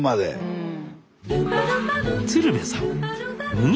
うん。